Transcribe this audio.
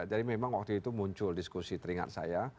jadi memang waktu itu muncul diskusi teringat saya